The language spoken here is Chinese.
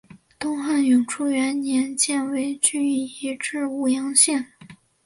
东汉永初元年犍为郡移治武阳县。